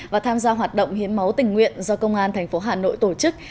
và tham gia hoạt động hiến máu tình nguyện do công an tp hà nội tổ chức